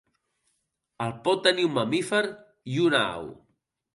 El pot tenir un mamífer i una au.